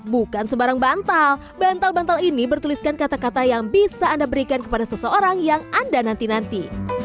bukan sebarang bantal bantal bantal ini bertuliskan kata kata yang bisa anda berikan kepada seseorang yang anda nanti nanti